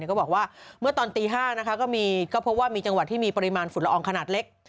ก็บอกว่าเมื่อตอนตี๕ก็พบว่ามีจังหวัดที่มีปริมาณฝุ่นละอองขนาดเล็ก